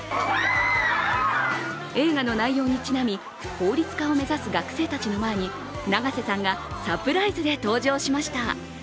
映画の内容にちなみ、法律家を目指す学生たちの前に永瀬さんがサプライズで登場しました。